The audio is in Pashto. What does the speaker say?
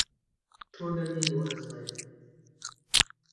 ټوله مي وازمایل …